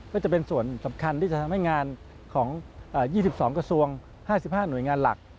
ก็จะเป็นส่วนสำคัญที่จะทำให้งานของ๒๒กระทรวง๕๕หน่วยงานหลัก